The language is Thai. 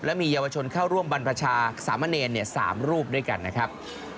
และมีเยาวชนเข้าร่วมบรรพชาสามะเนร๓รูปด้วยกันนะครับ